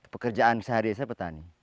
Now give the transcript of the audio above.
pekerjaan sehari hari saya petani